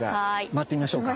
回ってみましょうか。